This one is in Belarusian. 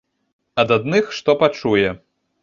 Ад адных што пачуе.